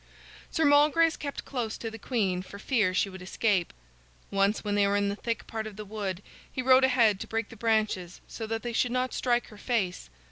Sir Malgrace kept close to the queen for fear she would escape. Once when they were in a thick part of the wood he rode ahead to break the branches so that they should not strike her face.